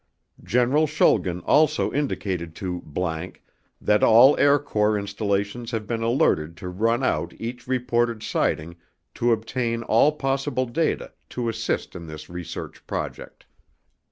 General Schulgen also indicated to ____ that all Air Corps installations have been alerted to run out each reported sighting to obtain all possible data to assist in this research project.